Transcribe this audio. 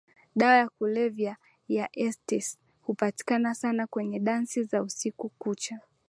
Dawa ya kulevya ya ecstasy hupatikana sana kwenye dansi za usiku kucha